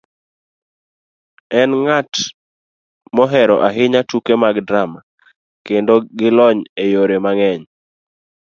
enng'at mohero ahinya tuke mag drama, kendo gi lony e yore mang'eny.